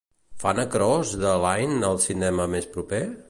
Fan Across the Line al cinema més proper?